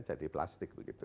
jadi plastik begitu